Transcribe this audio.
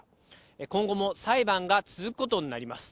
今後も裁判が続くことになります。